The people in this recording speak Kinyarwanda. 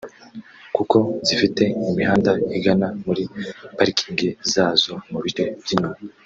kuko zifite imihanda igana muri parikingi zazo mu bice by’inyuma